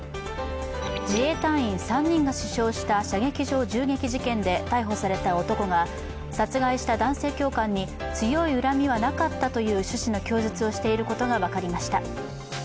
自衛隊員３人が死傷した射撃場銃撃事件で逮捕された男が殺害した男性教官に強い恨みはなかったという趣旨の供述をしていることが分かりました。